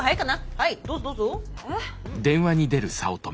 はいどうぞどうぞ。えっ？